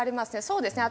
そうですね。